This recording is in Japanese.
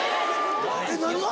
えっ何が？